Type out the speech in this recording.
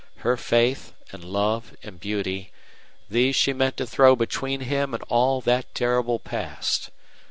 Her faith and love and beauty these she meant to throw between him and all that terrible past.